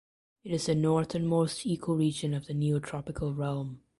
It is the northernmost ecoregion of the Neotropical realm.